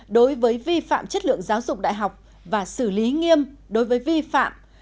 đối với vi phạm chất lượng giáo dục đại học và xử lý nghiêm đối với vi phạm